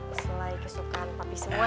ini selai kesukaan papi semua